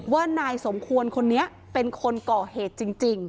ว่านายสมควรคนนี้เป็นคนก่อเหตุจริง